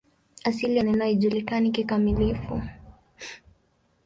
Asili ya neno haijulikani kikamilifu.